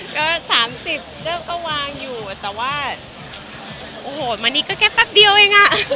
ก็สามสิบเราก็วางอยู่แต่ว่าโอ้โหวันนี้ก็แค่แป๊บเดียวยังน่ะ